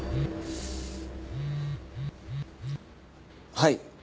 はい。